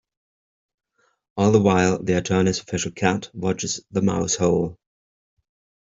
All the while, the attorney's official cat watches the mouse-hole.